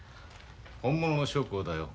本物の将校だよ。